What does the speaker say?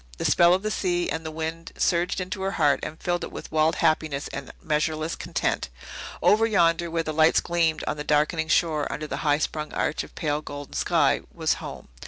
The spell of the sea and the wind surged into her heart and filled it with wild happiness and measureless content. Over yonder, where the lights gleamed on the darkening shore under the high sprung arch of pale golden sky, was home.